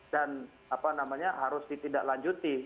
dan apa namanya harus ditidaklanjuti